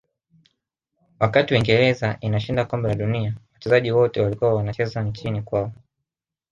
wakati uingereza inashinda kombe la dunia wachezaji wote walikuwa wanacheza nchini kwao